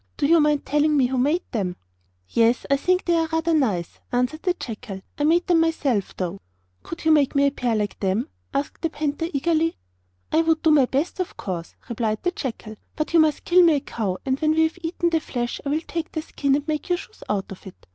Do you mind telling me who made them?' 'Yes, I think they are rather nice,' answered the jackal; 'I made them myself, though.' 'Could you make me a pair like them?' asked the panther eagerly. 'I would do my best, of course,' replied the jackal; 'but you must kill me a cow, and when we have eaten the flesh I will take the skin and make your shoes out of it.